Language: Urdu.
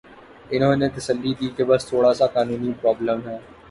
انہوں نے تسلی دی کہ بس تھوڑا سا قانونی پرابلم ہے۔